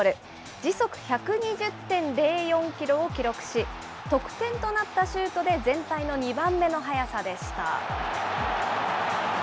時速１２０．０４キロを記録し、得点となったシュートで、全体の２番目の速さでした。